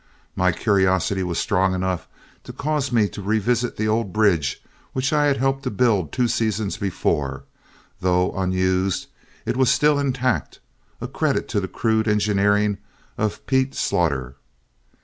My curiosity was strong enough to cause me to revisit the old bridge which I had helped to build two seasons before; though unused, it was still intact, a credit to the crude engineering of Pete Slaughter.